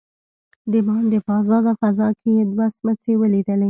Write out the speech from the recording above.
دباندې په آزاده فضا کې يې دوه سمڅې وليدلې.